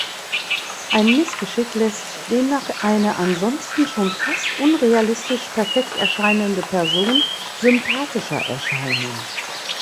Ein Missgeschick lässt demnach eine ansonsten schon fast unrealistisch perfekt erscheinende Person sympathischer erscheinen.